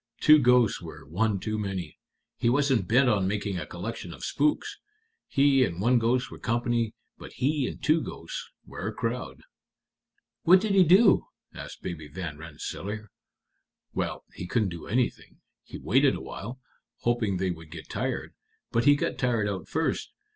Two ghosts were one too many. He wasn't bent on making a collection of spooks. He and one ghost were company, but he and two ghosts were a crowd." "What did he do?" asked Baby Van Rensselaer. "Well he couldn't do anything. He waited awhile, hoping they would get tired; but he got tired out first.